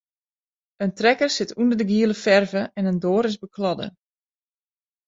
In trekker sit ûnder de giele ferve en in doar is bekladde.